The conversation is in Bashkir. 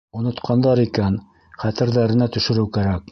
Онотҡандар икән — хәтерҙәренә төшөрөү кәрәк.